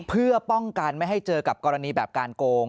เพื่อป้องกันไม่ให้เจอกับกรณีแบบการโกง